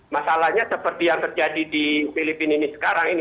masalahnya seperti yang terjadi di filipina ini sekarang ini